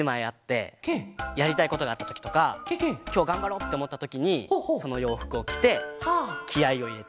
やりたいことがあったときとかきょうがんばろうっておもったときにそのようふくをきてきあいをいれてる。